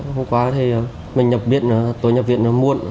hôm qua thì mình nhập viện tôi nhập viện muộn